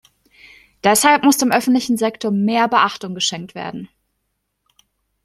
Deshalb muss dem öffentlichen Sektor mehr Beachtung geschenkt werden.